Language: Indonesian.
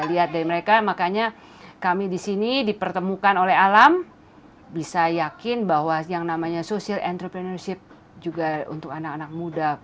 lihat dari mereka makanya kami di sini dipertemukan oleh alam bisa yakin bahwa yang namanya social entrepreneurship juga untuk anak anak muda